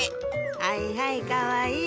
はいはいかわいい。